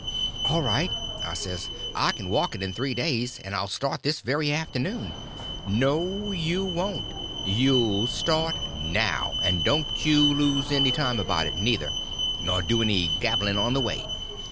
"All right," I says, "I can walk it in three days. And I'll start this very afternoon." "No you wont, you'll start now; and don't you lose any time about it, neither, nor do any gabbling by the way.